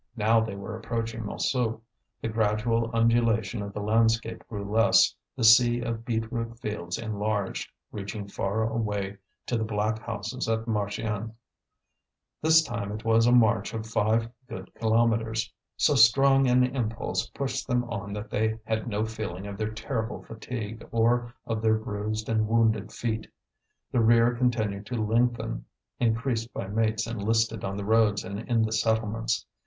Now they were approaching Montsou, the gradual undulation of the landscape grew less, the sea of beetroot fields enlarged, reaching far away to the black houses at Marchiennes. This time it was a march of five good kilometres. So strong an impulse pushed them on that they had no feeling of their terrible fatigue, or of their bruised and wounded feet. The rear continued to lengthen, increased by mates enlisted on the roads and in the settlements.